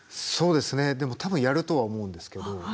そうですねでも多分やるとは思うんですけど。